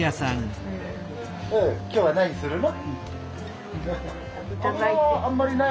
今日は何するの？